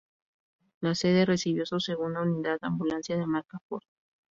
La sede recibió su segunda unidad ambulancia de marca Ford.